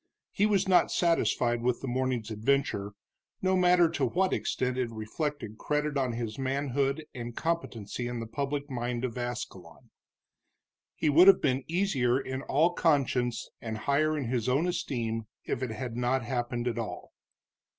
He was not satisfied with the morning's adventure, no matter to what extent it reflected credit on his manhood and competency in the public mind of Ascalon. He would have been easier in all conscience and higher in his own esteem if it had not happened at all.